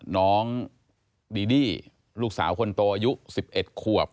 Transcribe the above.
น้องดีดี้ลูกสาวคนโตอายุ๑๑ขวบ